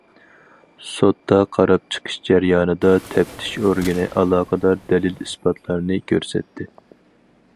سوتتا قاراپ چىقىش جەريانىدا، تەپتىش ئورگىنى ئالاقىدار دەلىل- ئىسپاتلارنى كۆرسەتتى.